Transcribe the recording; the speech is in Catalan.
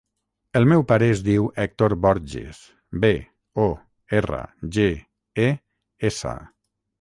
El meu pare es diu Hèctor Borges: be, o, erra, ge, e, essa.